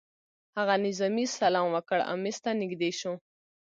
هغه نظامي سلام وکړ او مېز ته نږدې شو